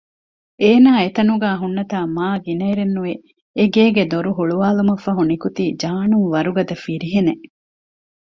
އޭނާ އެތަނުގައި ހުންނަތާ މާ ގިނައިރެއްނުވެ އެގޭގެ ދޮރު ހުޅުވާލުމަށްފަހު ނިކުތީ ޖާނުން ވަރުގަދަ ފިރިހެނެއް